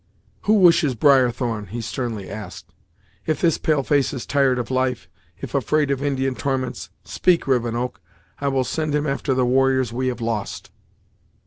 "Who wishes Briarthorn?" he sternly asked "If this pale face is tired of life, if afraid of Indian torments, speak, Rivenoak; I will send him after the warriors we have lost."